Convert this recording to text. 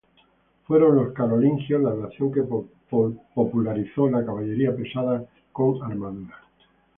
Fueron los carolingios la nación que popularizó la caballería pesada con armadura.